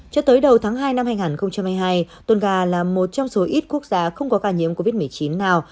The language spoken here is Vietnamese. cho tới đầu tháng hai năm hai nghìn hai mươi hai tunga là một trong số ít quốc gia không có ca nhiễm covid một mươi chín nào